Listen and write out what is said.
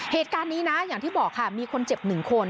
เหตุการณ์นี้นะอย่างที่บอกค่ะมีคนเจ็บ๑คน